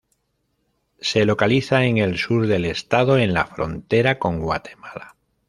Se localiza en el sur del estado, en la frontera con Guatemala.